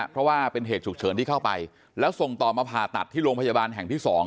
เพราะว่าเป็นเหตุฉุกเฉินที่เข้าไปแล้วส่งต่อมาผ่าตัดที่โรงพยาบาลแห่งที่๒